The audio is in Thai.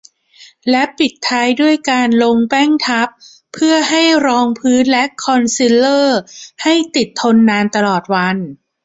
และปิดท้ายด้วยการลงแป้งทับเพื่อให้รองพื้น และคอนซีลเลอร์ ให้ติดทนนานตลอดวัน